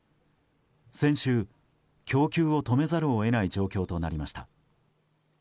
先週、供給を止めざるを得ない状況となりました。